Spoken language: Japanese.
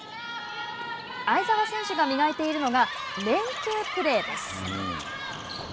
相澤選手が磨いているのが、連係プレーです。